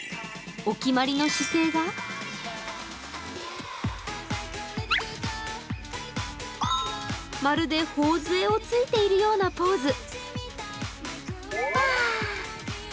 お決まりの姿勢がまるでほおづえをついているようなポーズ。